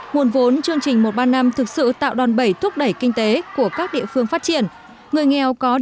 nguồn vốn chương trình một ba năm thực sự tạo đòn bẩy thúc đẩy kinh tế của các địa phương